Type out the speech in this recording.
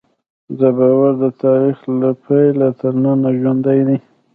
دا باور د تاریخ له پیله تر ننه ژوندی دی.